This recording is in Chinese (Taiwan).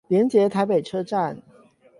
連結臺北車站